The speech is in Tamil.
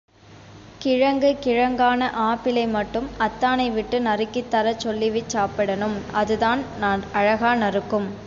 கிழங்கு கிழங்கான ஆப்பிளை மட்டும், அத்தானை விட்டு நறுக்கித் தரத் சொல்விச் சாப்பிடணும் அதுதான் அழகா நறுக்கும்.